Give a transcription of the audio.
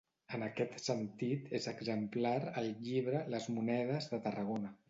En aquest sentit és exemplar el llibre Les monedes de Tarragona.